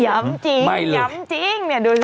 จริงย้ำจริงเนี่ยดูสิ